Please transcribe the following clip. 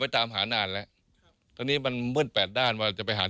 ตามหานานแล้วตอนนี้มันมืดแปดด้านว่าจะไปหา